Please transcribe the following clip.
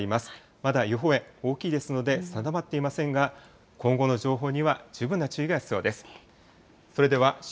まだ予報円大きいですので、定まっていませんが、今後の情報には十分な注意が必要です。